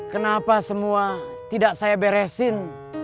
kenapa semua tidak saya beresin